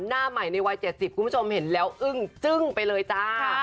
หน้าใหม่ในวัย๗๐คุณผู้ชมเห็นแล้วอึ้งจึ้งไปเลยจ้า